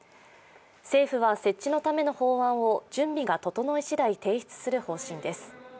政府は設置のための法案を準備が整い次第提出する方針です。